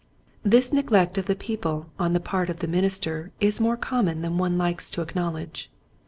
This neglect of the people on the part of the minister is more common than one likes .to acknowledge.